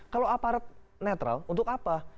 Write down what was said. kalau aparat netral untuk apa